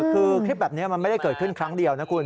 คือคลิปแบบนี้มันไม่ได้เกิดขึ้นครั้งเดียวนะคุณ